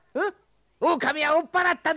オオカミは追っ払ったぞ。